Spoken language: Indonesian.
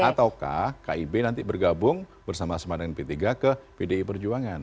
ataukah kib nanti bergabung bersama sama dengan p tiga ke pdi perjuangan